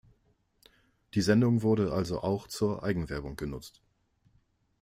Die Sendung wurde also auch zur Eigenwerbung genutzt.